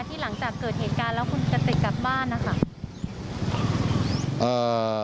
หลังจากเกิดเหตุการณ์แล้วคุณกติกกลับบ้านนะคะ